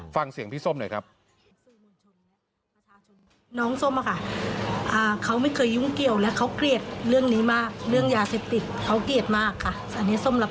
ฟังเสียงพี่ส้มหน่อยครับ